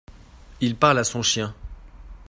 il parle à son chien.